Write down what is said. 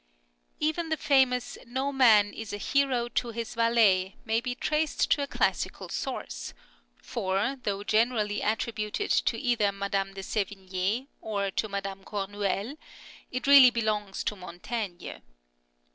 Even the famous " No man is a hero to his valet " may be traced to a classical source ; for, though generally attributed to either Madame de Sevigne or to Madame Cornuel, it really belongs to Mon taigne.